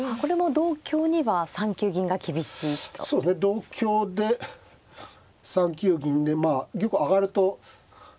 同香で３九銀でまあ玉上がると。